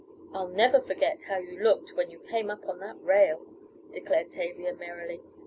"I'll never forget how you looked when you came up on that rail," declared Tavia, merrily.